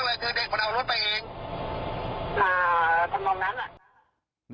คือเราไม่รู้เรื่องอะไรคือเด็กมันเอารถไปเอง